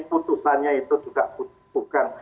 putusannya itu juga bukan